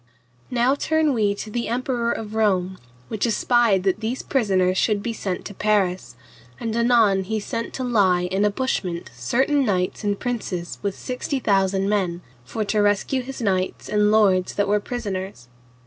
Now turn we to the Emperor of Rome, which espied that these prisoners should be sent to Paris, and anon he sent to lie in a bushment certain knights and princes with sixty thousand men, for to rescue his knights and lords that were prisoners.